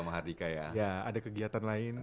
ya ada kegiatan lain